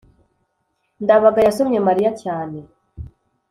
ndabaga yasomye mariya cyane